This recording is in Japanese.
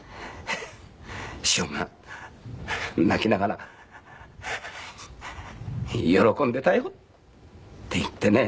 師匠が泣きながら喜んでたよ」って言ってね。